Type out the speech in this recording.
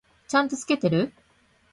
ちゃんと付けてる？